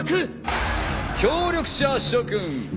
協力者諸君！